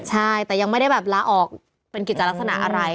ใช่แต่ยังไม่ได้แบบลาออกเป็นกิจลักษณะอะไร